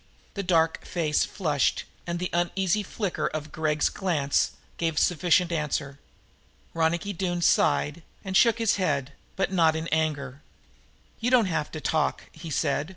The dark flush and the uneasy flicker of Gregg's glance gave a sufficient answer. Ronicky Doone sighed and shook his head, but not in anger. "You don't have to talk," he said.